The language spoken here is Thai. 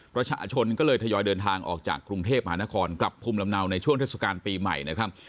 ประชาชนก็เลยทยอยเดินทางออกจากกรุงเทพมหานครกลับภูมิลำเนาในช่วงเทศกาลปีใหม่นะครับ